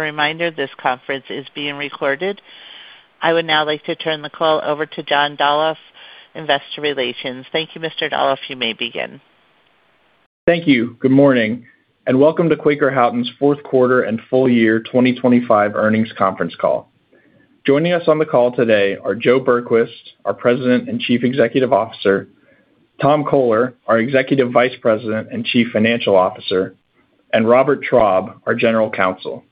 Reminder, this conference is being recorded. I would now like to turn the call over to Jeffrey Schnell, Investor Relations. Thank you, Mr. Schnell. You may begin. Thank you. Good morning, and welcome to Quaker Houghton's fourth quarter and full year 2025 earnings conference call. Joining us on the call today are Joe Bergquist, our President and Chief Executive Officer, Tom Coler, our Executive Vice President and Chief Financial Officer, and Robert Traub, our General Counsel.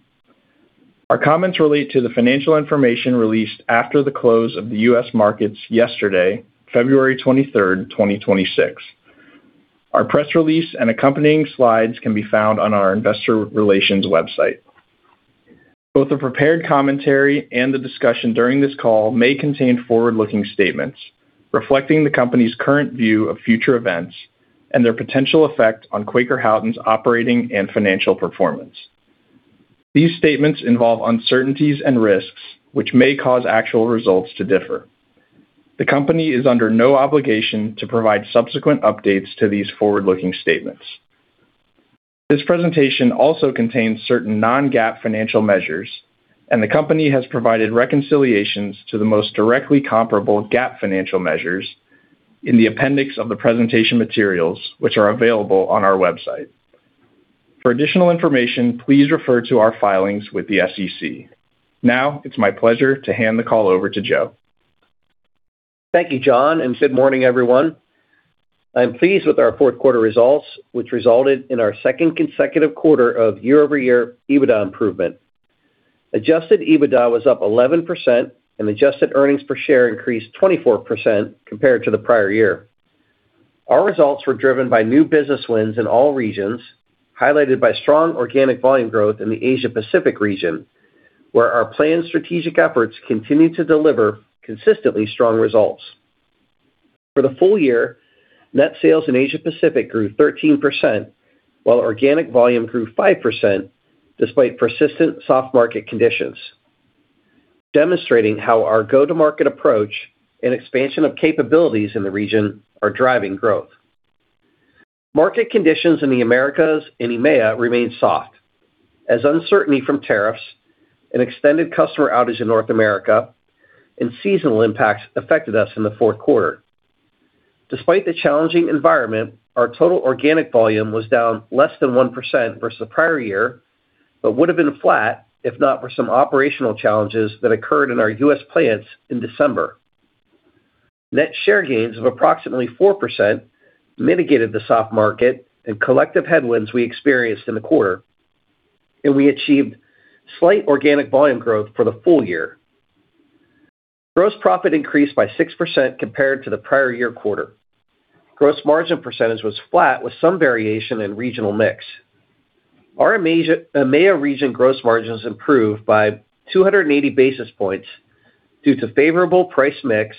Our comments relate to the financial information released after the close of the U.S. markets yesterday, February 23rd, 2026. Our press release and accompanying slides can be found on our investor relations website. Both the prepared commentary and the discussion during this call may contain forward-looking statements reflecting the company's current view of future events and their potential effect on Quaker Houghton's operating and financial performance. These statements involve uncertainties and risks, which may cause actual results to differ. The company is under no obligation to provide subsequent updates to these forward-looking statements. This presentation also contains certain non-GAAP financial measures, and the company has provided reconciliations to the most directly comparable GAAP financial measures in the appendix of the presentation materials, which are available on our website. For additional information, please refer to our filings with the SEC. Now, it's my pleasure to hand the call over to Joe. Thank you, Jeff, and good morning, everyone. I'm pleased with our fourth quarter results, which resulted in our second consecutive quarter of year-over-year EBITDA improvement. Adjusted EBITDA was up 11%, and adjusted earnings per share increased 24% compared to the prior year. Our results were driven by new business wins in all regions, highlighted by strong organic volume growth in the Asia-Pacific region, where our planned strategic efforts continue to deliver consistently strong results. For the full year, net sales in Asia-Pacific grew 13%, while organic volume grew 5%, despite persistent soft market conditions, demonstrating how our go-to-market approach and expansion of capabilities in the region are driving growth. Market conditions in the Americas and EMEA remain soft, as uncertainty from tariffs and extended customer outage in North America and seasonal impacts affected us in the fourth quarter. Despite the challenging environment, our total organic volume was down less than 1% versus the prior year, but would have been flat if not for some operational challenges that occurred in our U.S. plants in December. Net share gains of approximately 4% mitigated the soft market and collective headwinds we experienced in the quarter, and we achieved slight organic volume growth for the full year. Gross profit increased by 6% compared to the prior year quarter. Gross margin percentage was flat with some variation in regional mix. Our EMEA region gross margins improved by 280 basis points due to favorable price mix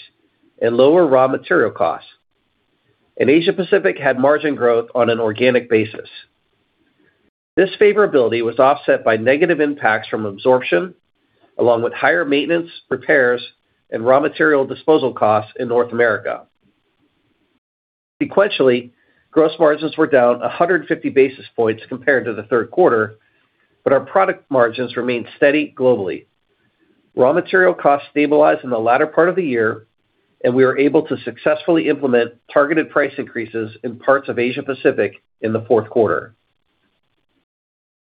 and lower raw material costs, and Asia-Pacific had margin growth on an organic basis. This favorability was offset by negative impacts from absorption, along with higher maintenance, repairs, and raw material disposal costs in North America. Sequentially, gross margins were down 150 basis points compared to the third quarter, but our product margins remained steady globally. Raw material costs stabilized in the latter part of the year, and we were able to successfully implement targeted price increases in parts of Asia-Pacific in the fourth quarter.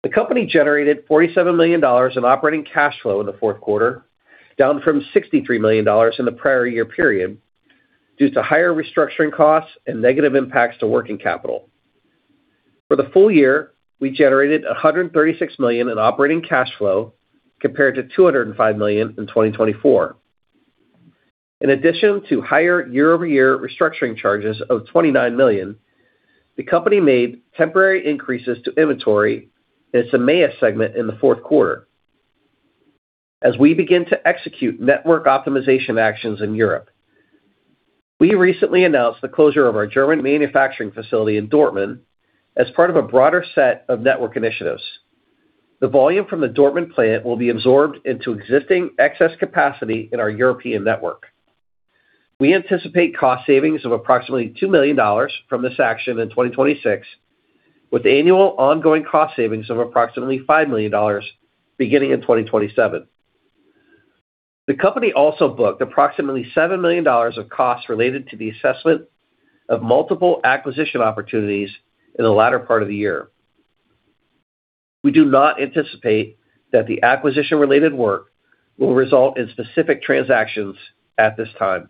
The company generated $47 million in operating cash flow in the fourth quarter, down from $63 million in the prior year period, due to higher restructuring costs and negative impacts to working capital. For the full year, we generated $136 million in operating cash flow compared to $205 million in 2024. In addition to higher year-over-year restructuring charges of $29 million, the company made temporary increases to inventory in its EMEA segment in the fourth quarter as we begin to execute network optimization actions in Europe. We recently announced the closure of our German manufacturing facility in Dortmund as part of a broader set of network initiatives. The volume from the Dortmund plant will be absorbed into existing excess capacity in our European network. We anticipate cost savings of approximately $2 million from this action in 2026, with annual ongoing cost savings of approximately $5 million beginning in 2027. The company also booked approximately $7 million of costs related to the assessment of multiple acquisition opportunities in the latter part of the year. We do not anticipate that the acquisition-related work will result in specific transactions at this time.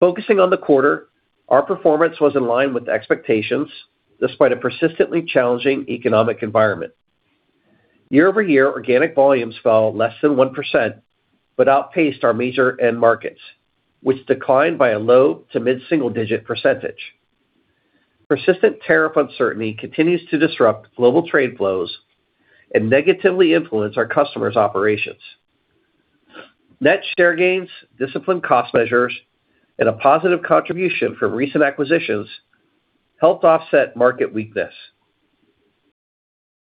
Focusing on the quarter, our performance was in line with expectations, despite a persistently challenging economic environment. Year-over-year, organic volumes fell less than 1%, but outpaced our major end markets, which declined by a low to mid-single-digit percentage. Persistent tariff uncertainty continues to disrupt global trade flows and negatively influence our customers' operations. Net share gains, disciplined cost measures, and a positive contribution from recent acquisitions helped offset market weakness.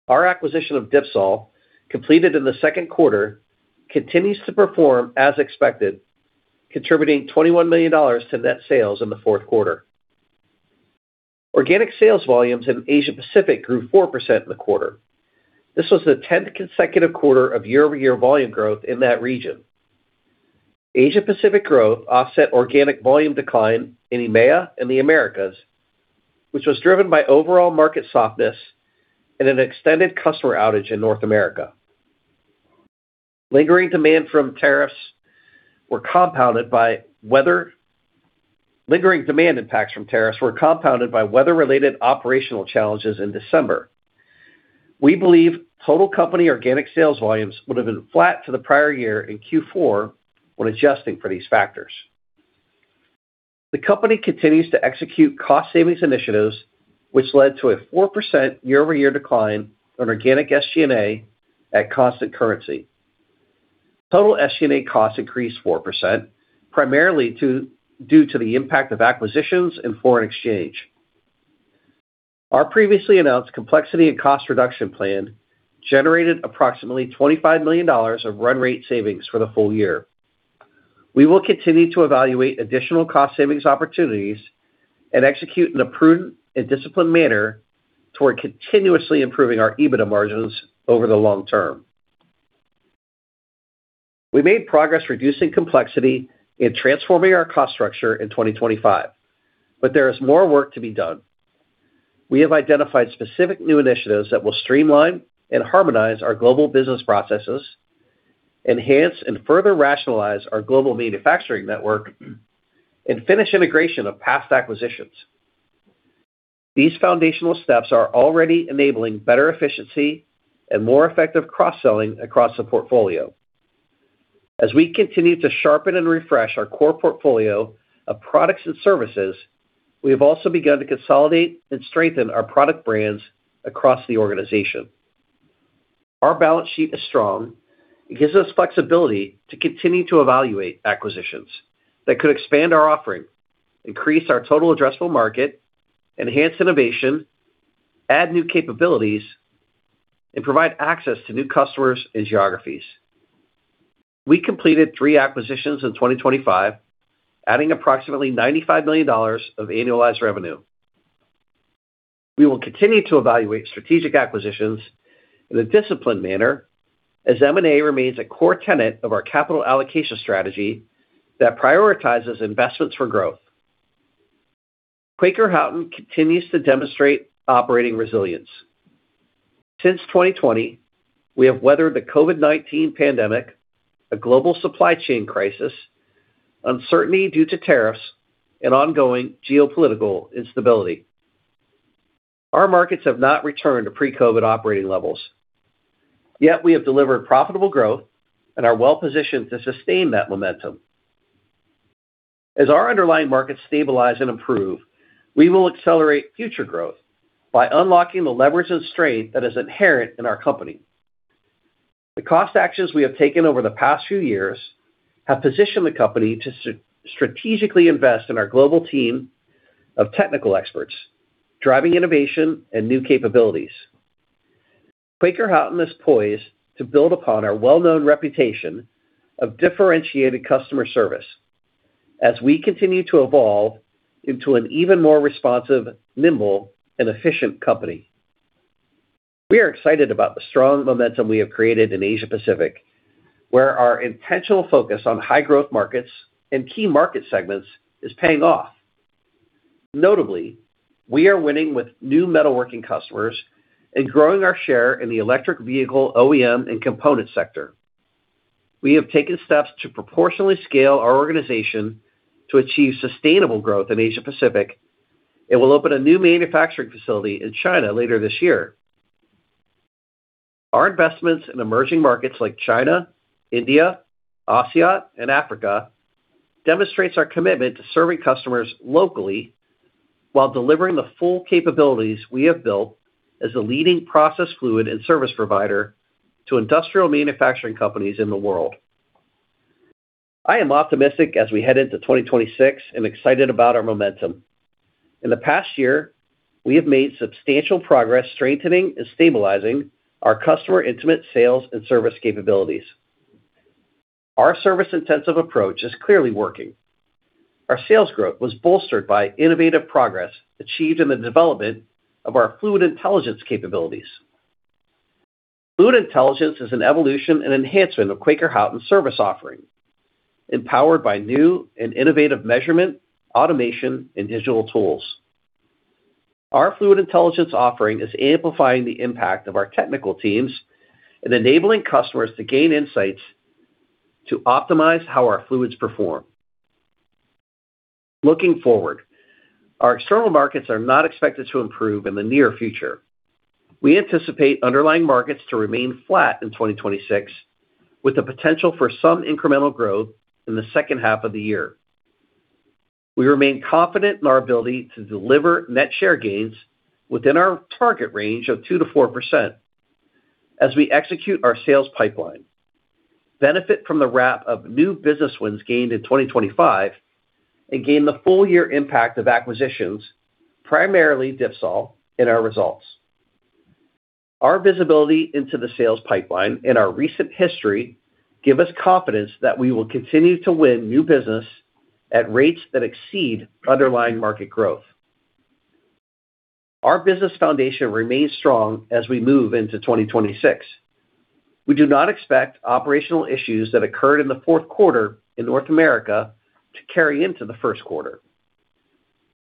Our acquisition of Dipsol, completed in the second quarter, continues to perform as expected, contributing $21 million to net sales in the fourth quarter. Organic sales volumes in Asia-Pacific grew 4% in the quarter. This was the 10th consecutive quarter of year-over-year volume growth in that region. Asia-Pacific growth offset organic volume decline in EMEA and the Americas, which was driven by overall market softness and an extended customer outage in North America. Lingering demand impacts from tariffs were compounded by weather-related operational challenges in December. We believe total company organic sales volumes would have been flat to the prior year in Q4 when adjusting for these factors. The company continues to execute cost savings initiatives, which led to a 4% year-over-year decline in organic SG&A at constant currency. Total SG&A costs increased 4%, primarily due to the impact of acquisitions and foreign exchange. Our previously announced complexity and cost reduction plan generated approximately $25 million of run rate savings for the full year. We will continue to evaluate additional cost savings opportunities and execute in a prudent and disciplined manner toward continuously improving our EBITDA margins over the long term. We made progress reducing complexity and transforming our cost structure in 2025. There is more work to be done. We have identified specific new initiatives that will streamline and harmonize our global business processes, enhance and further rationalize our global manufacturing network, and finish integration of past acquisitions. These foundational steps are already enabling better efficiency and more effective cross-selling across the portfolio. As we continue to sharpen and refresh our core portfolio of products and services, we have also begun to consolidate and strengthen our product brands across the organization. Our balance sheet is strong. It gives us flexibility to continue to evaluate acquisitions that could expand our offering, increase our total addressable market, enhance innovation, add new capabilities, and provide access to new customers and geographies. We completed three acquisitions in 2025, adding approximately $95 million of annualized revenue. We will continue to evaluate strategic acquisitions in a disciplined manner, as M&A remains a core tenet of our capital allocation strategy that prioritizes investments for growth. Quaker Houghton continues to demonstrate operating resilience. Since 2020, we have weathered the COVID-19 pandemic, a global supply chain crisis, uncertainty due to tariffs, and ongoing geopolitical instability. Our markets have not returned to pre-COVID operating levels, yet we have delivered profitable growth and are well-positioned to sustain that momentum. As our underlying markets stabilize and improve, we will accelerate future growth by unlocking the leverage and strength that is inherent in our company. The cost actions we have taken over the past few years have positioned the company to strategically invest in our global team of technical experts, driving innovation and new capabilities. Quaker Houghton is poised to build upon our well-known reputation of differentiated customer service as we continue to evolve into an even more responsive, nimble, and efficient company. We are excited about the strong momentum we have created in Asia-Pacific, where our intentional focus on high growth markets and key market segments is paying off. Notably, we are winning with new metalworking customers and growing our share in the electric vehicle, OEM, and component sector. We have taken steps to proportionally scale our organization to achieve sustainable growth in Asia-Pacific and will open a new manufacturing facility in China later this year. Our investments in emerging markets like China, India, ASEAN, and Africa demonstrates our commitment to serving customers locally while delivering the full capabilities we have built as a leading process fluid and service provider to industrial manufacturing companies in the world. I am optimistic as we head into 2026 and excited about our momentum. In the past year, we have made substantial progress strengthening and stabilizing our customer intimate sales and service capabilities. Our service-intensive approach is clearly working. Our sales growth was bolstered by innovative progress achieved in the development of our Fluid Intelligence capabilities. Fluid Intelligence is an evolution and enhancement of Quaker Houghton service offering, empowered by new and innovative measurement, automation, and digital tools. Our Fluid Intelligence offering is amplifying the impact of our technical teams and enabling customers to gain insights to optimize how our fluids perform. Looking forward, our external markets are not expected to improve in the near future. We anticipate underlying markets to remain flat in 2026, with the potential for some incremental growth in the second half of the year. We remain confident in our ability to deliver net share gains within our target range of 2%-4% as we execute our sales pipeline, benefit from the wrap of new business wins gained in 2025, and gain the full year impact of acquisitions, primarily Dipsol, in our results. Our visibility into the sales pipeline and our recent history give us confidence that we will continue to win new business at rates that exceed underlying market growth. Our business foundation remains strong as we move into 2026. We do not expect operational issues that occurred in the fourth quarter in North America to carry into the first quarter.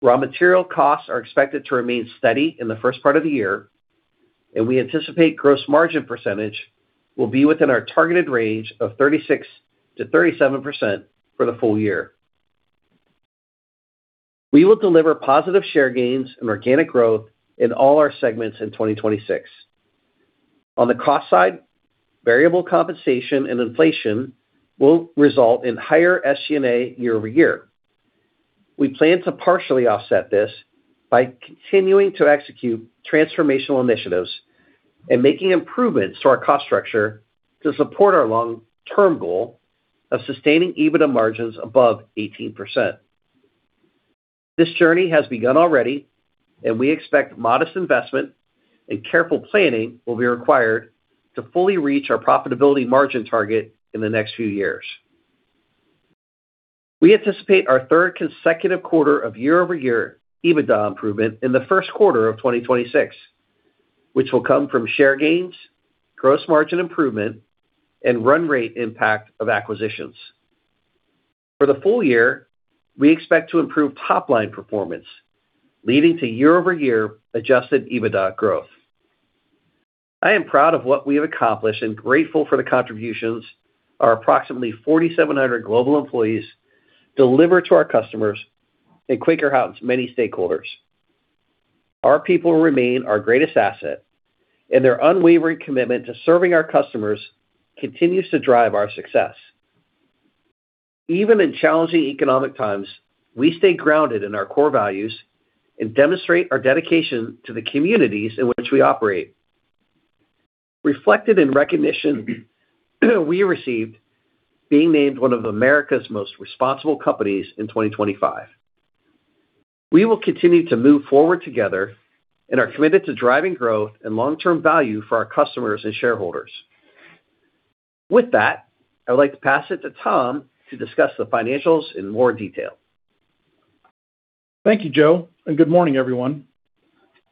Raw material costs are expected to remain steady in the first part of the year, and we anticipate gross margin percentage will be within our targeted range of 36%-37% for the full year. We will deliver positive share gains and organic growth in all our segments in 2026. On the cost side, variable compensation and inflation will result in higher SG&A year-over-year. We plan to partially offset this by continuing to execute transformational initiatives and making improvements to our cost structure to support our long-term goal of sustaining EBITDA margins above 18%. This journey has begun already, and we expect modest investment and careful planning will be required to fully reach our profitability margin target in the next few years. We anticipate our third consecutive quarter of year-over-year EBITDA improvement in the first quarter of 2026, which will come from share gains, gross margin improvement, and run rate impact of acquisitions. For the full year, we expect to improve top-line performance, leading to year-over-year adjusted EBITDA growth. I am proud of what we have accomplished and grateful for the contributions our approximately 4,700 global employees deliver to our customers and Quaker Houghton's many stakeholders. Our people remain our greatest asset, and their unwavering commitment to serving our customers continues to drive our success. Even in challenging economic times, we stay grounded in our core values and demonstrate our dedication to the communities in which we operate. Reflected in recognition, we received being named one of America's Most Responsible Companies in 2025. We will continue to move forward together and are committed to driving growth and long-term value for our customers and shareholders. With that, I'd like to pass it to Tom to discuss the financials in more detail. Thank you, Joe, and good morning, everyone.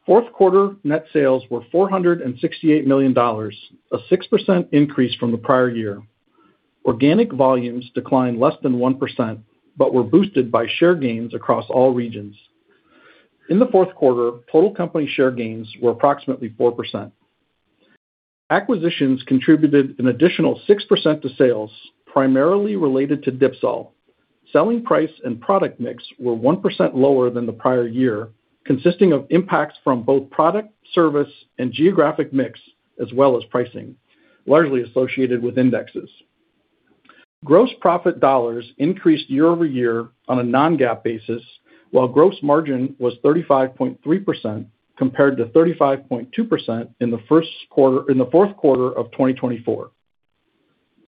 Fourth quarter net sales were $468 million, a 6% increase from the prior year. Organic volumes declined less than 1%, but were boosted by share gains across all regions. In the fourth quarter, total company share gains were approximately 4%. Acquisitions contributed an additional 6% to sales, primarily related to Dipsol. Selling price and product mix were 1% lower than the prior year, consisting of impacts from both product, service, and geographic mix, as well as pricing, largely associated with indexes. Gross profit dollars increased year-over-year on a non-GAAP basis, while gross margin was 35.3%, compared to 35.2% in the fourth quarter of 2024.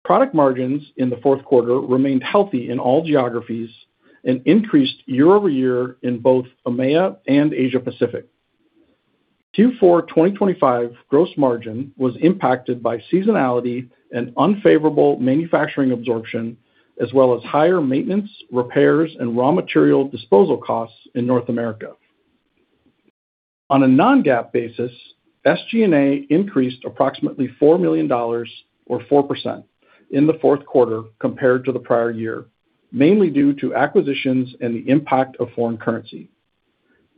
Product margins in the fourth quarter remained healthy in all geographies and increased year-over-year in both EMEA and Asia-Pacific. Q4 2025 gross margin was impacted by seasonality and unfavorable manufacturing absorption, as well as higher maintenance, repairs, and raw material disposal costs in North America. On a non-GAAP basis, SG&A increased approximately $4 million or 4% in the fourth quarter compared to the prior year, mainly due to acquisitions and the impact of foreign currency.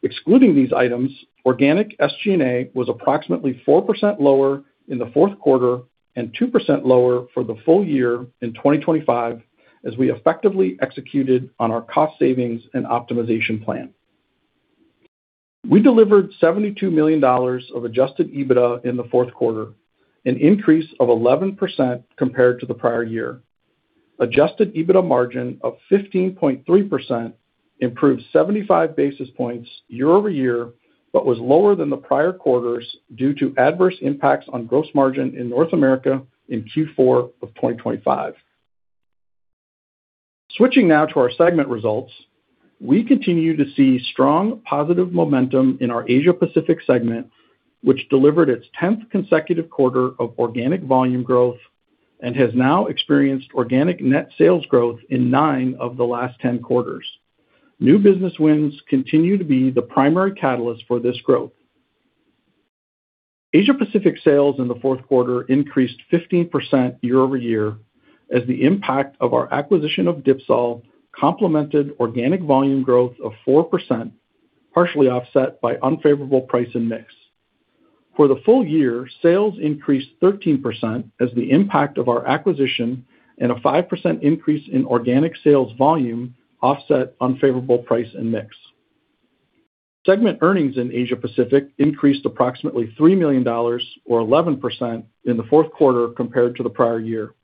Excluding these items, organic SG&A was approximately 4% lower in the fourth quarter and 2% lower for the full year in 2025, as we effectively executed on our cost savings and optimization plan. We delivered $72 million of adjusted EBITDA in the fourth quarter, an increase of 11% compared to the prior year. Adjusted EBITDA margin of 15.3% improved 75 basis points year-over-year, was lower than the prior quarters due to adverse impacts on gross margin in North America in Q4 of 2025. Switching now to our segment results. We continue to see strong, positive momentum in our Asia-Pacific segment, which delivered its 10th consecutive quarter of organic volume growth and has now experienced organic net sales growth in 9 of the last 10 quarters. New business wins continue to be the primary catalyst for this growth. Asia-Pacific sales in the fourth quarter increased 15% year-over-year, as the impact of our acquisition of Dipsol complemented organic volume growth of 4%, partially offset by unfavorable price and mix. For the full year, sales increased 13% as the impact of our acquisition and a 5% increase in organic sales volume offset unfavorable price and mix. Segment earnings in Asia-Pacific increased approximately $3 million or 11% in the fourth quarter compared to the prior year.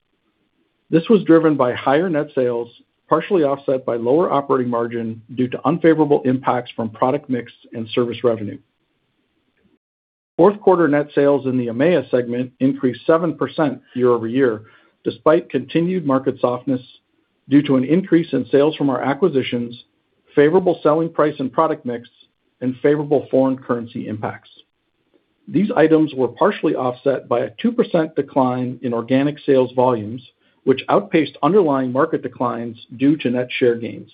This was driven by higher net sales, partially offset by lower operating margin due to unfavorable impacts from product mix and service revenue. Fourth quarter net sales in the EMEA segment increased 7% year-over-year, despite continued market softness due to an increase in sales from our acquisitions, favorable selling price and product mix, and favorable foreign currency impacts. These items were partially offset by a 2% decline in organic sales volumes, which outpaced underlying market declines due to net share gains.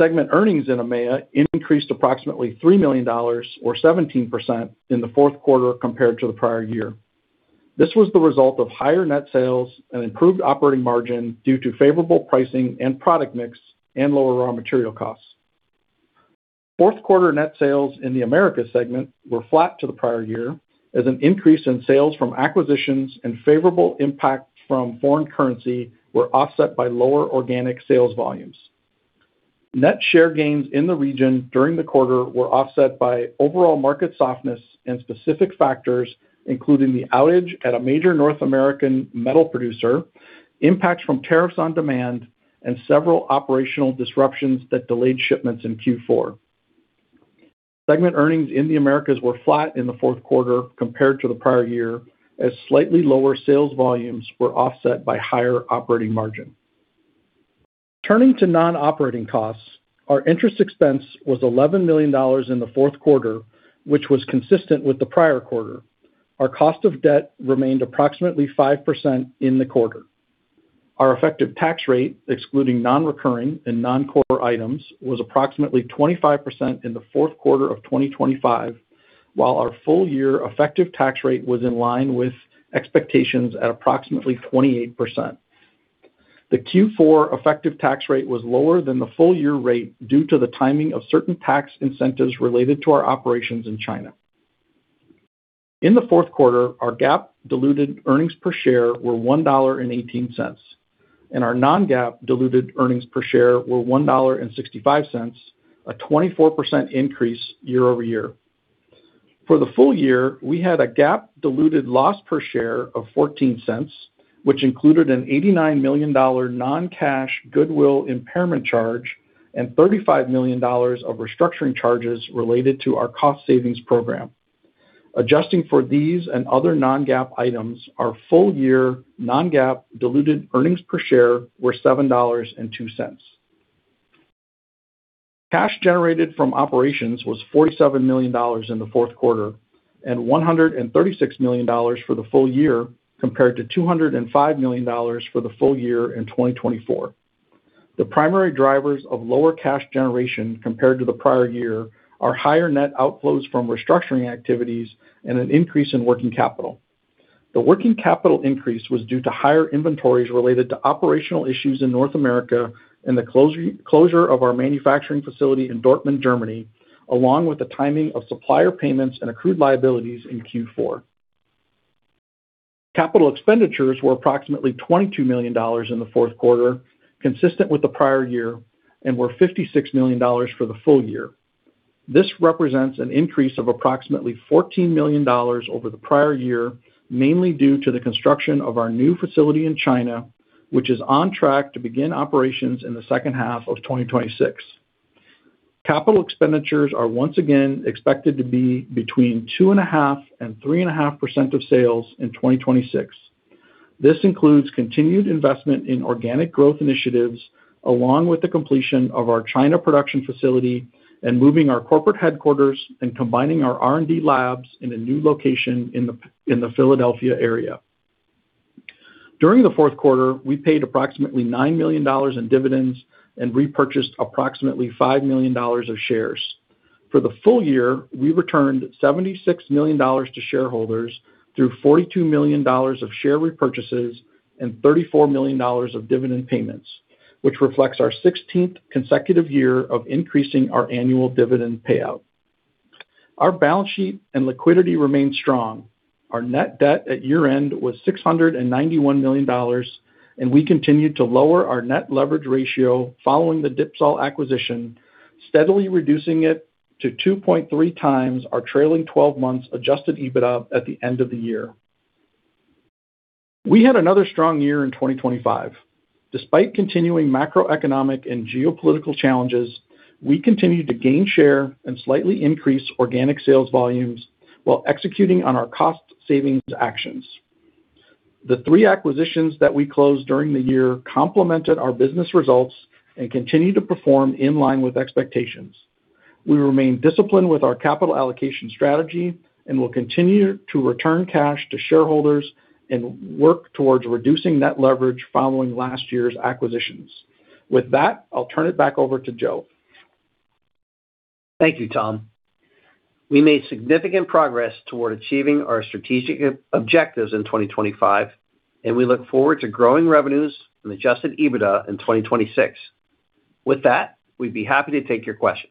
Segment earnings in EMEA increased approximately $3 million or 17% in the fourth quarter compared to the prior year. This was the result of higher net sales and improved operating margin due to favorable pricing and product mix and lower raw material costs. Fourth quarter net sales in the Americas segment were flat to the prior year, as an increase in sales from acquisitions and favorable impact from foreign currency were offset by lower organic sales volumes. Net share gains in the region during the quarter were offset by overall market softness and specific factors, including the outage at a major North American metal producer, impacts from tariffs on demand, and several operational disruptions that delayed shipments in Q4. Segment earnings in the Americas were flat in the fourth quarter compared to the prior year, as slightly lower sales volumes were offset by higher operating margin. Turning to non-operating costs, our interest expense was $11 million in the fourth quarter, which was consistent with the prior quarter. Our cost of debt remained approximately 5% in the quarter. Our effective tax rate, excluding non-recurring and non-core items, was approximately 25% in the fourth quarter of 2025, while our full year effective tax rate was in line with expectations at approximately 28%. The Q4 effective tax rate was lower than the full year rate due to the timing of certain tax incentives related to our operations in China. In the fourth quarter, our GAAP diluted earnings per share were $1.18, and our non-GAAP diluted earnings per share were $1.65, a 24% increase year-over-year. For the full year, we had a GAAP diluted loss per share of $0.14, which included an $89 million non-cash goodwill impairment charge and $35 million of restructuring charges related to our cost savings program. Adjusting for these and other non-GAAP items, our full-year non-GAAP diluted earnings per share were $7.02. Cash generated from operations was $47 million in the fourth quarter and $136 million for the full year, compared to $205 million for the full year in 2024. The primary drivers of lower cash generation compared to the prior year are higher net outflows from restructuring activities and an increase in working capital. The working capital increase was due to higher inventories related to operational issues in North America and the closure of our manufacturing facility in Dortmund, Germany, along with the timing of supplier payments and accrued liabilities in Q4. Capital expenditures were approximately $22 million in the fourth quarter, consistent with the prior year, and were $56 million for the full year. This represents an increase of approximately $14 million over the prior year, mainly due to the construction of our new facility in China, which is on track to begin operations in the second half of 2026. Capital expenditures are once again expected to be between 2.5% and 3.5% of sales in 2026. This includes continued investment in organic growth initiatives, along with the completion of our China production facility and moving our corporate headquarters and combining our R&D labs in a new location in the Philadelphia area. During the fourth quarter, we paid approximately $9 million in dividends and repurchased approximately $5 million of shares. For the full year, we returned $76 million to shareholders through $42 million of share repurchases and $34 million of dividend payments, which reflects our 16th consecutive year of increasing our annual dividend payout. Our balance sheet and liquidity remain strong. Our net debt at year-end was $691 million, and we continued to lower our net leverage ratio following the Dipsol acquisition, steadily reducing it to 2.3 times our trailing 12 months adjusted EBITDA at the end of the year. We had another strong year in 2025. Despite continuing macroeconomic and geopolitical challenges, we continued to gain share and slightly increase organic sales volumes while executing on our cost savings actions. The three acquisitions that we closed during the year complemented our business results and continued to perform in line with expectations. We remain disciplined with our capital allocation strategy and will continue to return cash to shareholders and work towards reducing net leverage following last year's acquisitions. With that, I'll turn it back over to Joe. Thank you, Tom. We made significant progress toward achieving our strategic objectives in 2025, and we look forward to growing revenues and adjusted EBITDA in 2026. With that, we'd be happy to take your questions.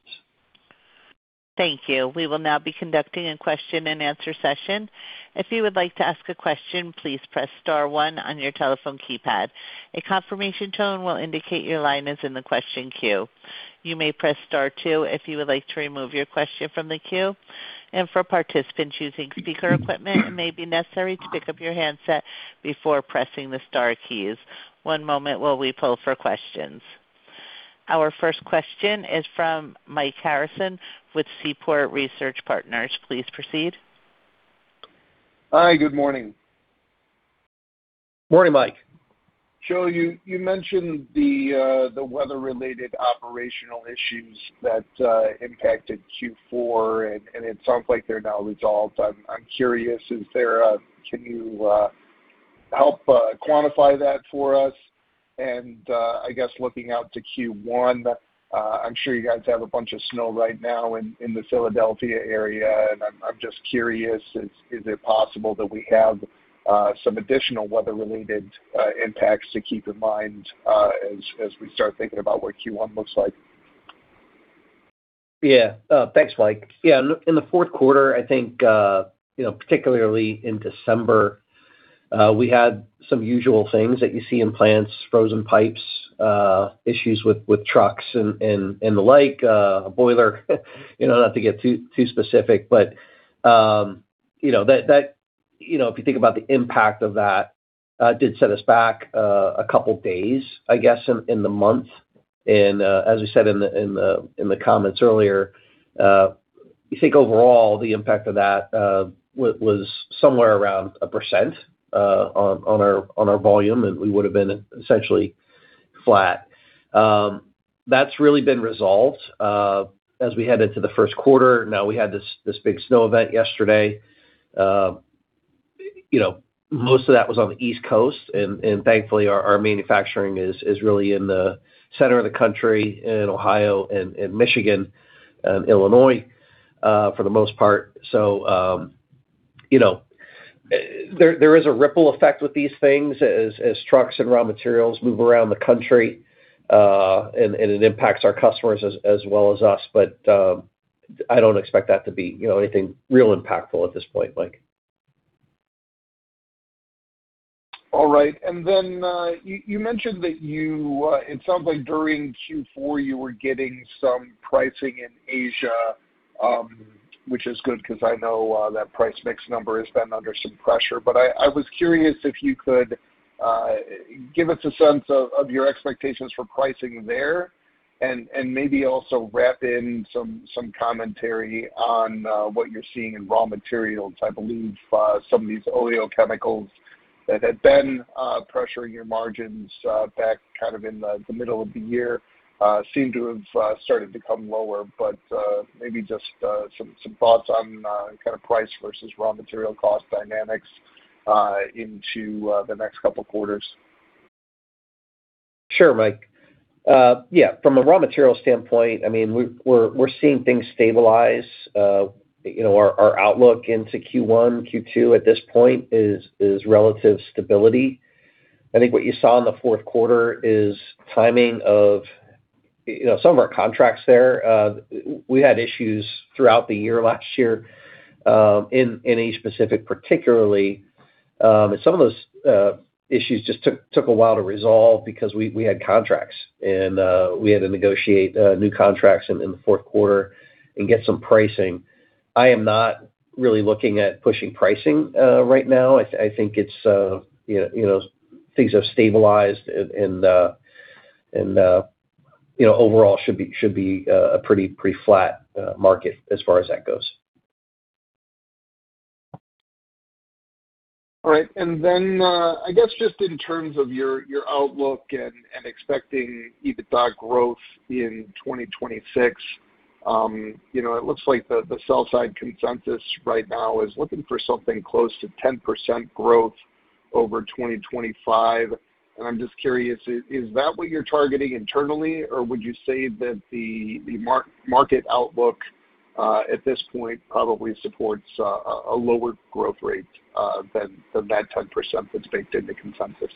Thank you. We will now be conducting a question-and-answer session. If you would like to ask a question, please press star one on your telephone keypad. A confirmation tone will indicate your line is in the question queue. You may press star two if you would like to remove your question from the queue. For participants using speaker equipment, it may be necessary to pick up your handset before pressing the star keys. One moment while we pull for questions. Our first question is from Michael Harrison with Seaport Research Partners. Please proceed. Hi, good morning. Morning, Mike. Joe, you mentioned the weather-related operational issues that impacted Q4, and it sounds like they're now resolved. I'm curious, can you help quantify that for us? I guess looking out to Q1, I'm sure you guys have a bunch of snow right now in the Philadelphia area, and I'm just curious, is it possible that we have some additional weather-related impacts to keep in mind, as we start thinking about what Q1 looks like? Yeah. Thanks, Mike. Yeah, in the fourth quarter, I think, you know, particularly in December, we had some usual things that you see in plants, frozen pipes, issues with trucks and the like, a boiler, you know, not to get too specific. You know, if you think about the impact of that did set us back a couple days, I guess, in the month. As we said in the comments earlier, we think overall, the impact of that was somewhere around 1% on our volume, and we would've been essentially flat. That's really been resolved. As we head into the first quarter, now, we had this big snow event yesterday. You know, most of that was on the East Coast, and thankfully, our manufacturing is really in the center of the country, in Ohio and Michigan, and Illinois, for the most part. You know, there is a ripple effect with these things as trucks and raw materials move around the country. It impacts our customers as well as us. I don't expect that to be anything real impactful at this point, Mike. All right. You mentioned that you, it sounds like during Q4, you were getting some pricing in Asia, which is good, 'cause I know that price mix number has been under some pressure. I was curious if you could give us a sense of your expectations for pricing there, and maybe also wrap in some commentary on what you're seeing in raw materials. I believe some of these oleochemicals that had been pressuring your margins back kind of in the middle of the year seem to have started to come lower. Maybe just some thoughts on kind of price versus raw material cost dynamics into the next couple quarters. Sure, Mike. Yeah, from a raw material standpoint, I mean, we're seeing things stabilize. You know, our outlook into Q1, Q2 at this point is relative stability. I think what you saw in the fourth quarter is timing of, you know, some of our contracts there. We had issues throughout the year, last year, in Asia-Pacific particularly. And some of those issues just took a while to resolve because we had contracts, and we had to negotiate new contracts in the fourth quarter and get some pricing. I am not really looking at pushing pricing right now. I think it's, you know, things have stabilized and overall should be a pretty flat market as far as that goes. I guess, just in terms of your outlook and expecting EBITDA growth in 2026, you know, it looks like the sell side consensus right now is looking for something close to 10% growth over 2025. I'm just curious, is that what you're targeting internally? Or would you say that the market outlook at this point, probably supports a lower growth rate than that 10% that's baked into consensus?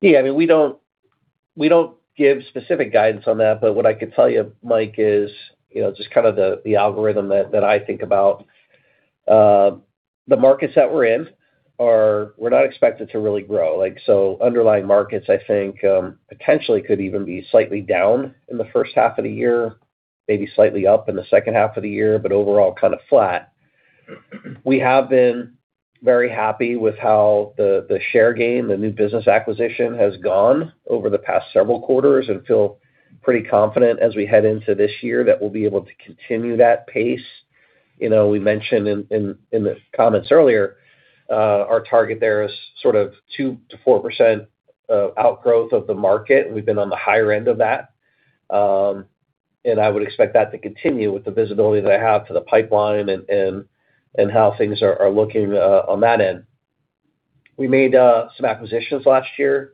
Yeah. I mean, we don't give specific guidance on that, but what I could tell you, Mike, is, you know, just kind of the algorithm that I think about. The markets that we're in are. We're not expected to really grow, like, underlying markets, I think, potentially could even be slightly down in the first half of the year, maybe slightly up in the second half of the year, but overall, kind of flat. We have been very happy with how the share gain, the new business acquisition, has gone over the past several quarters and feel pretty confident as we head into this year that we'll be able to continue that pace. You know, we mentioned in the comments earlier, our target there is sort of 2%-4% outgrowth of the market. We've been on the higher end of that. I would expect that to continue with the visibility that I have to the pipeline and how things are looking on that end. We made some acquisitions last year.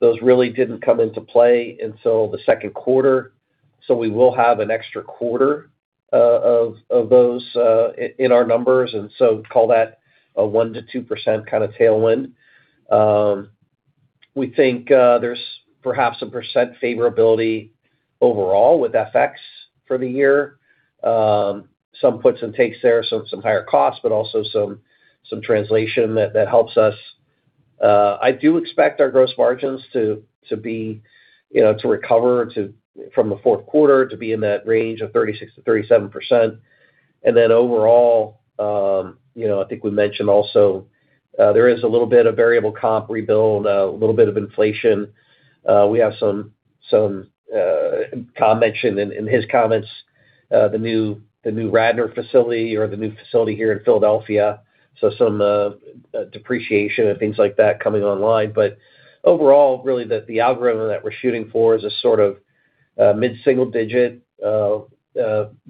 Those really didn't come into play until the second quarter, so we will have an extra quarter of those in our numbers, call that a 1%-2% kind of tailwind. We think there's perhaps a percent favorability overall with FX for the year. Some puts and takes there, some higher costs, but also some translation that helps us. I do expect our gross margins to be, you know, to recover to from the fourth quarter, to be in that range of 36%-37%. And then, overall, you know, I think we mentioned there is a little bit of variable comp rebuild, a little bit of inflation. We have some, Tom mentioned in his comments, the new, the new Radnor facility or the new facility here in Philadelphia, so some depreciation and things like that coming online. overall, really, the algorithm that we're shooting for is a sort of, mid-single digit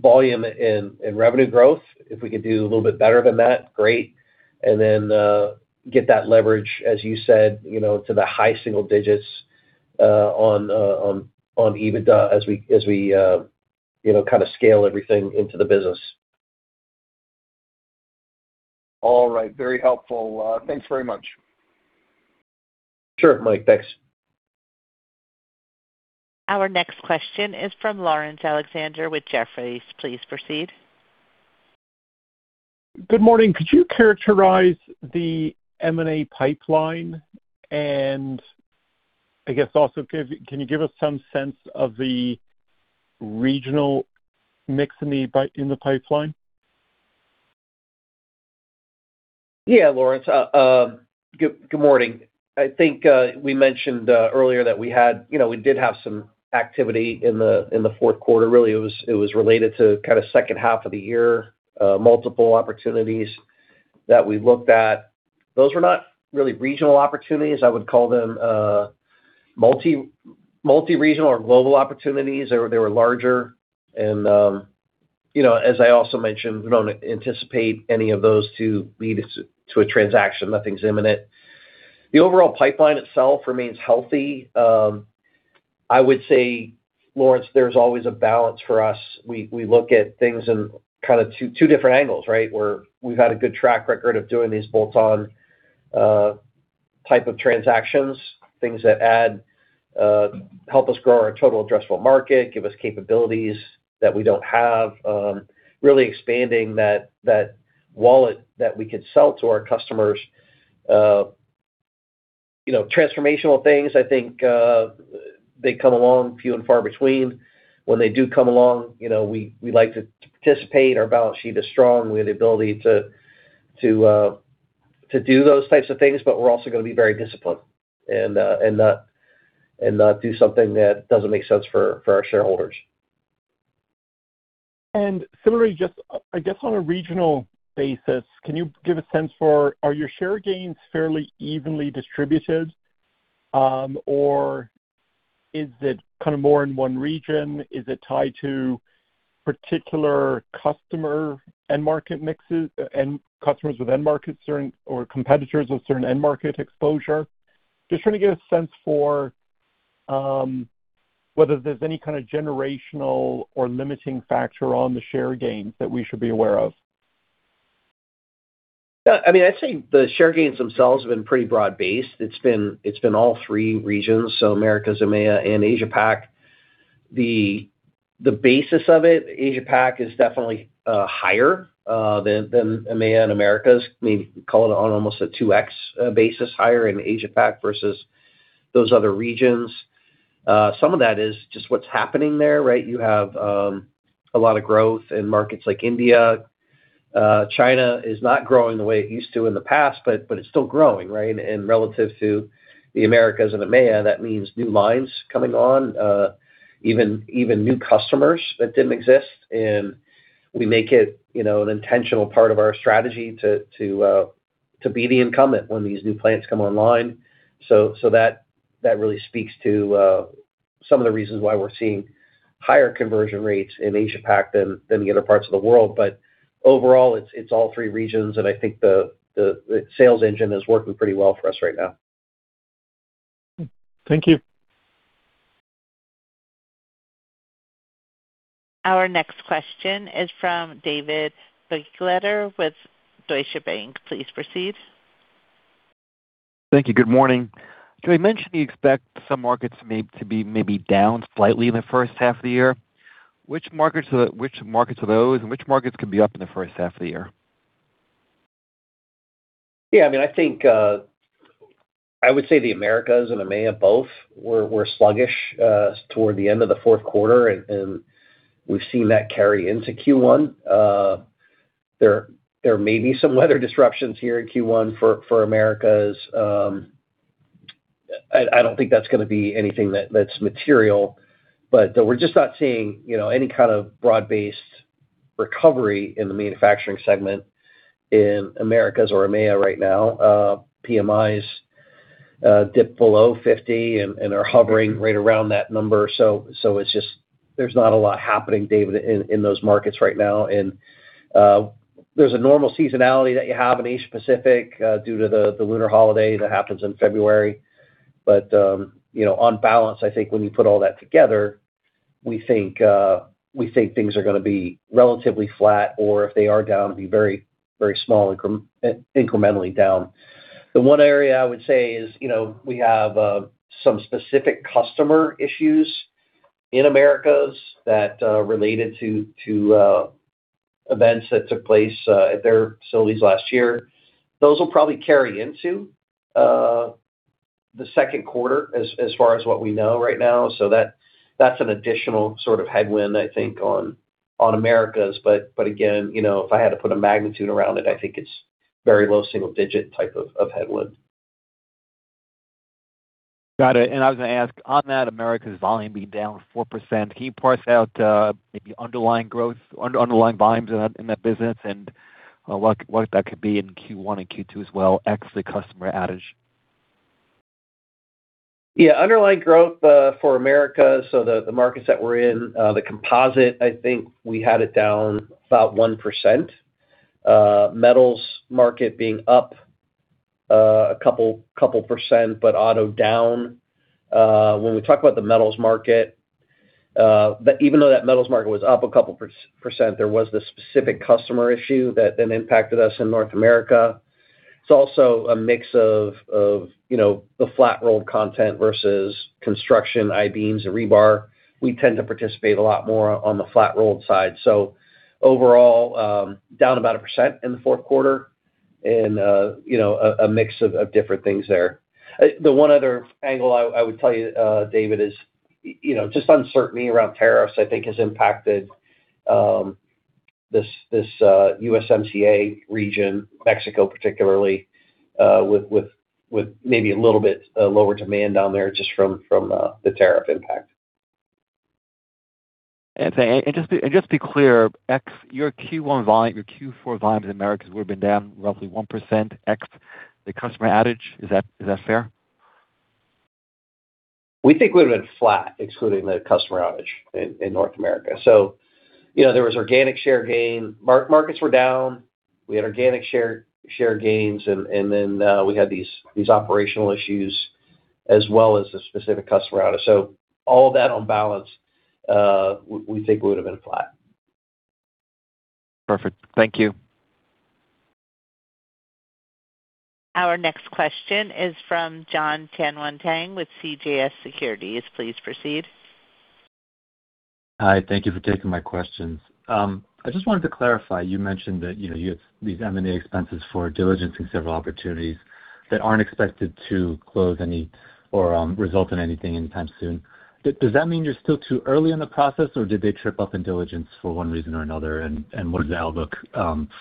volume in revenue growth. If we could do a little bit better than that, great, get that leverage, as you said, to the high single digits on EBITDA, as we kind of scale everything into the business. All right. Very helpful. Thanks very much. Sure, Mike. Thanks. Our next question is from Laurence Alexander with Jefferies. Please proceed. Good morning. Could you characterize the M&A pipeline? I guess also, can you give us some sense of the regional mix in the pipeline? Yeah, Laurence. Good morning. I think we mentioned earlier that we did have some activity in the fourth quarter. Really, it was related to kind of second half of the year, multiple opportunities that we looked at. Those were not really regional opportunities. I would call them multi-regional or global opportunities. They were larger, and as I also mentioned, we don't anticipate any of those to lead us to a transaction. Nothing's imminent. The overall pipeline itself remains healthy. I would say, Laurence, there's always a balance for us. We look at things in kind of two different angles, right? Where we've had a good track record of doing these bolt-on type of transactions, things that add, help us grow our total addressable market, give us capabilities that we don't have, really expanding that wallet that we can sell to our customers. You know, transformational things, I think, they come along few and far between. When they do come along, you know, we like to participate. Our balance sheet is strong. We have the ability to do those types of things, but we're also gonna be very disciplined and not do something that doesn't make sense for our shareholders. Similarly, just, I guess, on a regional basis, can you give a sense for are your share gains fairly evenly distributed, or is it kind of more in one region? Is it tied to particular customer end market mixes and customers with end market certain or competitors with certain end market exposure? Just trying to get a sense for whether there's any kind of generational or limiting factor on the share gains that we should be aware of. Yeah, I mean, I'd say the share gains themselves have been pretty broad-based. It's been all three regions, so Americas, EMEA, and Asia-Pac. The basis of it, Asia-Pac is definitely higher than EMEA and Americas. Maybe call it on almost a 2x basis, higher in Asia-Pac versus those other regions. Some of that is just what's happening there, right? You have a lot of growth in markets like India. China is not growing the way it used to in the past, but it's still growing, right? Relative to the Americas and EMEA, that means new lines coming on, even new customers that didn't exist. And we make it an intentional part of our strategy to be the incumbent when these new plants come online. That really speaks to some of the reasons why we're seeing higher conversion rates in Asia-Pac than the other parts of the world. Overall, it's all three regions, and I think the sales engine is working pretty well for us right now. Thank you. Our next question is from David Begleiter with Deutsche Bank. Please proceed. Thank you. Good morning. You mentioned you expect some markets to be maybe down slightly in the first half of the year. Which markets are those, and which markets could be up in the first half of the year? I would say the Americas and EMEA both were sluggish toward the end of the fourth quarter, and we've seen that carry into Q1. There may be some weather disruptions here in Q1 for Americas. I don't think that's gonna be anything that's material, but we're just not seeing, you know, any kind of broad-based recovery in the manufacturing segment in Americas or EMEA right now. PMIs dip below 50 and are hovering right around that number. It's just, there's not a lot happening, David, in those markets right now. There's a normal seasonality that you have in Asia-Pacific due to the lunar holiday that happens in February. You know, on balance, I think when you put all that together, we think things are gonna be relatively flat, or if they are down, be very, very small incrementally down. The one area I would say is, you know, we have some specific customer issues in Americas that related to events that took place at their facilities last year. Those will probably carry into the second quarter, as far as what we know right now. That's an additional sort of headwind, I think, on Americas. Again, you know, if I had to put a magnitude around it, I think it's very low single-digit type of headwind. Got it. I was going to ask, on that Americas volume being down 4%, can you parse out maybe underlying growth, underlying volumes in that business, and what that could be in Q1 and Q2 as well, ex the customer outage? Underlying growth for Americas, the markets that we're in, the composite, I think we had it down about 1%. Metals market being up a couple percent, but auto down. When we talk about the metals market, even though that metals market was up a couple percent, there was this specific customer issue that then impacted us in North America. It's also a mix of, you know, the flat-rolled content versus construction, I-beams and rebar. We tend to participate a lot more on the flat-rolled side. Overall, down about a percent in the fourth quarter and a mix of different things there. The one other angle I would tell you, David, is, you know, just uncertainty around tariffs, I think has impacted, this USMCA region, Mexico, particularly, with maybe a little bit, lower demand down there, just from the tariff impact. Just be clear, ex your Q4 volumes in Americas would have been down roughly 1%, ex the customer outage. Is that fair? We think we would've been flat, excluding the customer outage in North America. You know, there was organic share gain. Markets were down, we had organic share gains, and then we had these operational issues as well as the specific customer outage. All of that on balance, we think would've been flat. Perfect. Thank you. Our next question is from Jonathan Tanwanteng with CJS Securities. Please proceed. Hi, thank you for taking my questions. I just wanted to clarify, you mentioned that, you know, you had these M&A expenses for diligence and several opportunities that aren't expected to close any or result in anything anytime soon. Does that mean you're still too early in the process, or did they trip up in diligence for one reason or another? What is the outlook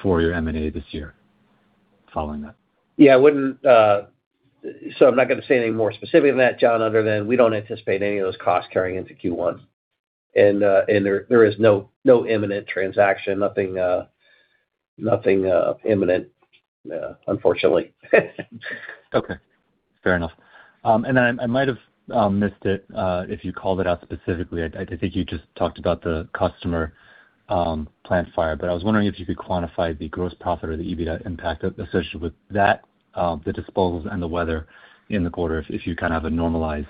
for your M&A this year following that? Yeah, I wouldn't. I'm not gonna say anything more specific than that, Jon, other than we don't anticipate any of those costs carrying into Q1. There is no imminent transaction, nothing imminent, unfortunately. Okay, fair enough. I might have missed it, if you called it out specifically, I think you just talked about the customer plant fire. I was wondering if you could quantify the gross profit or the EBITDA impact associated with that, the disposals and the weather in the quarter, if you kind of have a normalized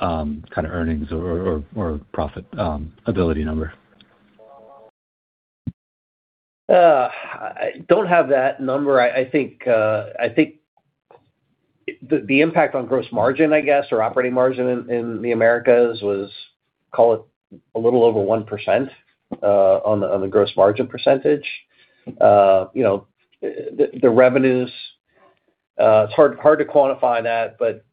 kind of earnings or profit ability number. I don't have that number. I think, I think the impact on gross margin, I guess, or operating margin in the Americas was, call it, a little over 1% on the gross margin percentage. You know, the revenues, it's hard, hard to quantify that, but,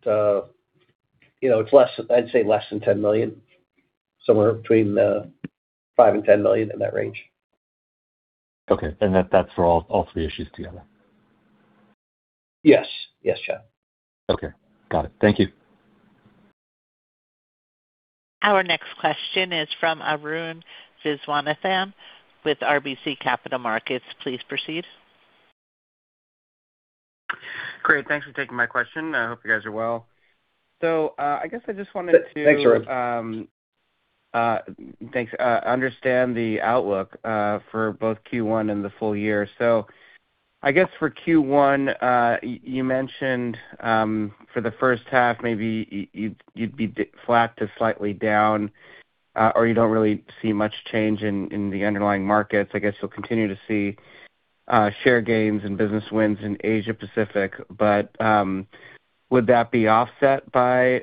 you know, I'd say less than $10 million, somewhere between $5 million and $10 million, in that range. Okay. that's for all three issues together? Yes, Jon. Okay. Got it. Thank you. Our next question is from Arun Viswanathan with RBC Capital Markets. Please proceed. Great, thanks for taking my question. I hope you guys are well. Thanks, Arun. Thanks. Understand the outlook for both Q1 and the full year. I guess for Q1, you mentioned for the first half, maybe you'd be flat to slightly down, or you don't really see much change in the underlying markets. I guess you'll continue to see share gains and business wins in Asia-Pacific. Would that be offset by,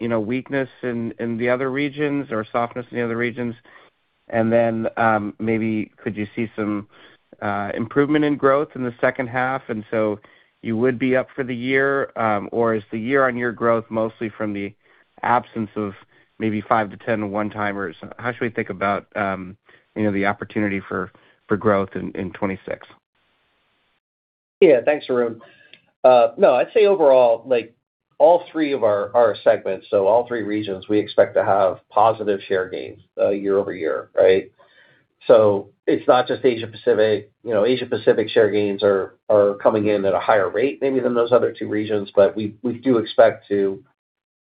you know, weakness in the other regions or softness in the other regions? Maybe could you see some improvement in growth in the second half, you would be up for the year? Or is the year-on-year growth mostly from the absence of maybe 5-10 one-timers? How should we think about the opportunity for growth in 2026? Yeah. Thanks, Arun. No, I'd say overall, like, all three of our segments, so all three regions, we expect to have positive share gains year-over-year, right? It's not just Asia-Pacific. You know, Asia-Pacific share gains are coming in at a higher rate maybe than those other two regions, but we do expect to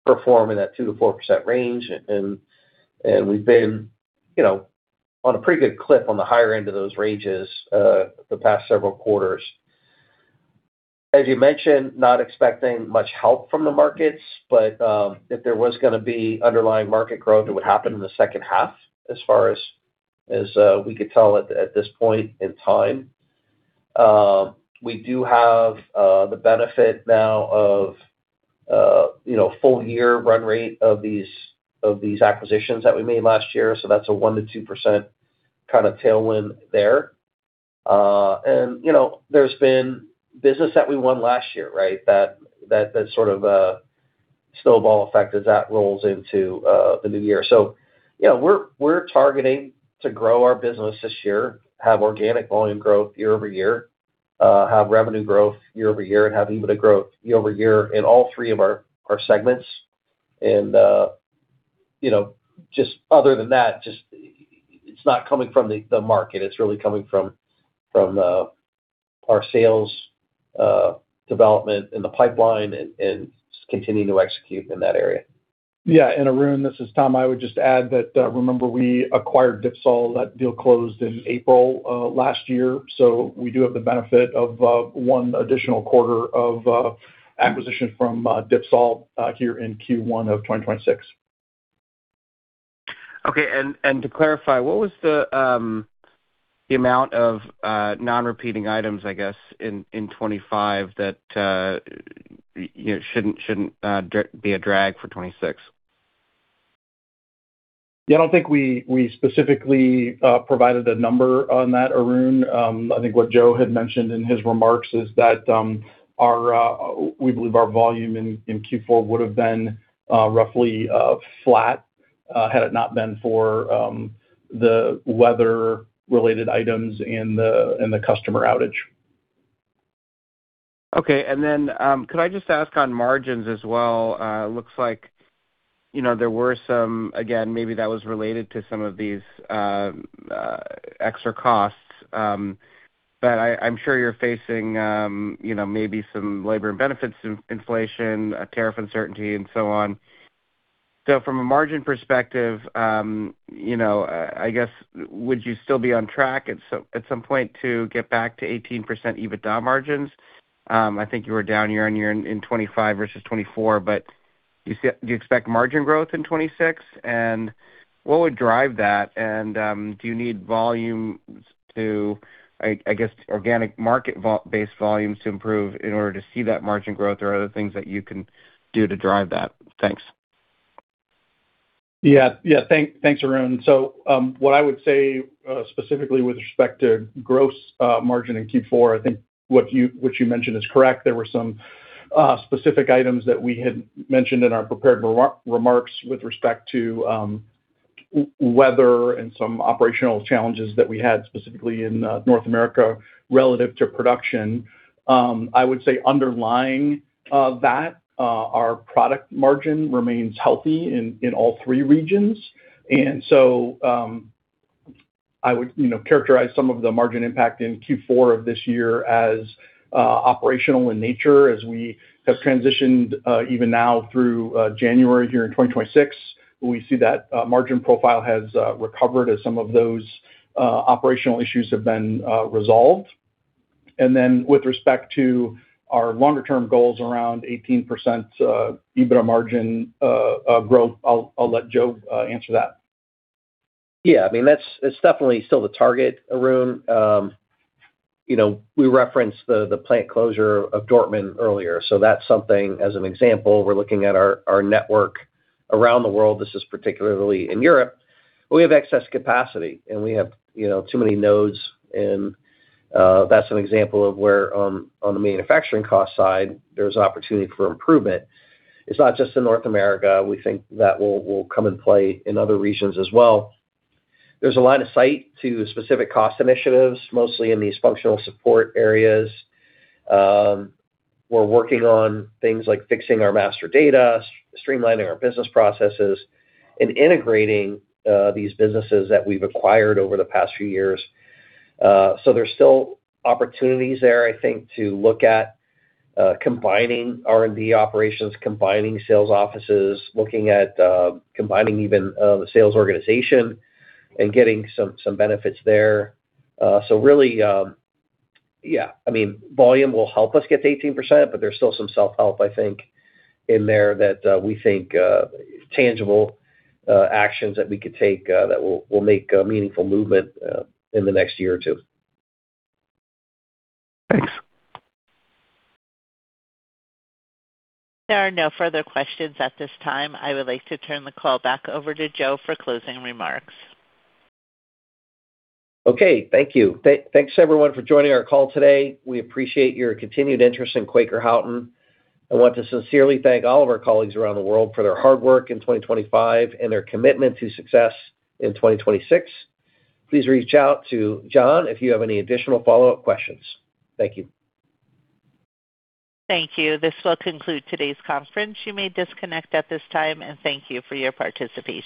perform in that 2%-4% range. We've been, you know, on a pretty good clip on the higher end of those ranges the past several quarters. As you mentioned, not expecting much help from the markets, but if there was gonna be underlying market growth, it would happen in the second half as far as we could tell at this point in time. We do have the benefit now of, you know, full year run rate of these acquisitions that we made last year, so that's a 1%-2% kind of tailwind there. You know, there's been business that we won last year, right? That sort of snowball effect as that rolls into the new year. You know, we're targeting to grow our business this year, have organic volume growth year-over-year, have revenue growth year-over-year, and have EBITDA growth year-over-year in all three of our segments. You know, just other than that, just it's not coming from the market, it's really coming from our sales development in the pipeline and just continuing to execute in that area. Yeah, Arun, this is Tom. I would just add that, remember, we acquired Dipsol. That deal closed in April, last year. We do have the benefit of, one additional quarter of, acquisition from, Dipsol, here in Q1 of 2026. Okay, to clarify, what was the amount of non-repeating items, I guess, in 2025 that, you know, shouldn't be a drag for 2026? I don't think we specifically provided a number on that, Arun. I think what Joe had mentioned in his remarks is that we believe our volume in Q4 would have been roughly flat had it not been for the weather-related items and the customer outage. Okay. And then, could I just ask on margins as well? It looks like, you know, there were some. Again, maybe that was related to some of these extra costs. I'm sure you're facing, you know, maybe some labor and benefits inflation, a tariff uncertainty, and so on. From a margin perspective, would you still be on track at some point to get back to 18% EBITDA margins? I think you were down year-on-year in 2025 versus 2024, do you expect margin growth in 2026? What would drive that? Do you need volumes to organic market based volumes to improve in order to see that margin growth, or are there things that you can do to drive that? Thanks. Yeah, thanks, Arun. What I would say, specifically with respect to gross margin in Q4, I think what you mentioned is correct. There were some specific items that we had mentioned in our prepared remarks with respect to weather and some operational challenges that we had, specifically in North America, relative to production. I would say underlying that, our product margin remains healthy in all three regions. I would characterize some of the margin impact in Q4 of this year as operational in nature, as we have transitioned, even now through January here in 2026. We see that margin profile has recovered as some of those operational issues have been resolved. With respect to our longer-term goals around 18% EBITDA margin growth, I'll let Joe answer that. Yeah, I mean, it's definitely still the target, Arun. You know, we referenced the plant closure of Dortmund earlier. That's something, as an example, we're looking at our network around the world. This is particularly in Europe. We have excess capacity, and we have, you know, too many nodes. That's an example of where on the manufacturing cost side, there's opportunity for improvement. It's not just in North America. We think that will come in play in other regions as well. There's a line of sight to specific cost initiatives, mostly in these functional support areas. We're working on things like fixing our master data, streamlining our business processes, and integrating these businesses that we've acquired over the past few years. There's still opportunities there, I think, to look at combining R&D operations, combining sales offices, looking at combining even the sales organization and getting some benefits there. Really, yeah, I mean, volume will help us get to 18%, but there's still some self-help, I think, in there that we think tangible actions that we could take that will make a meaningful movement in the next year or two. Thanks. There are no further questions at this time. I would like to turn the call back over to Joe for closing remarks. Okay. Thank you. Thanks everyone for joining our call today. We appreciate your continued interest in Quaker Houghton. I want to sincerely thank all of our colleagues around the world for their hard work in 2025 and their commitment to success in 2026. Please reach out to John if you have any additional follow-up questions. Thank you. Thank you. This will conclude today's conference. You may disconnect at this time, and thank you for your participation.